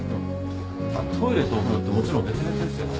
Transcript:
あっトイレとお風呂ってもちろん別々ですよね？